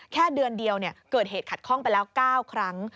แค่เดือนเดียวเกิดเหตุขัดข้องไปแล้ว๙ครั้ง